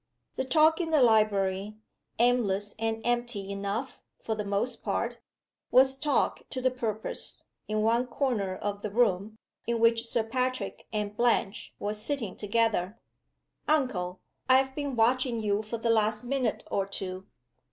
The talk in the library aimless and empty enough, for the most part was talk to the purpose, in one corner of the room, in which Sir Patrick and Blanche were sitting together. "Uncle! I have been watching you for the last minute or two."